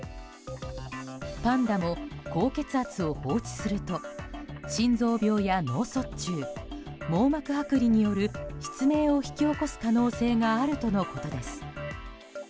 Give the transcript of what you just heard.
パンダも高血圧を放置すると心臓病や脳卒中網膜剥離による失明を引き起こす可能性があるとのことです。